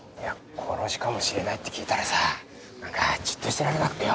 殺しかもしれないって聞いたらさ何かじっとしてられなくてよ。